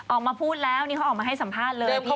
ออกมาพูดแล้วนี่เขาออกมาให้สัมภาษณ์เลย